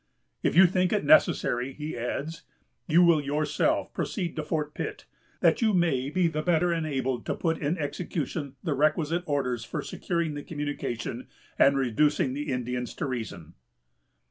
"If you think it necessary," he adds, "you will yourself proceed to Fort Pitt, that you may be the better enabled to put in execution the requisite orders for securing the communication and reducing the Indians to reason."